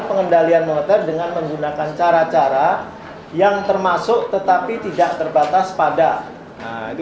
pengendalian hotel dengan menggunakan cara cara yang termasuk tetapi tidak terbatas pada nah itu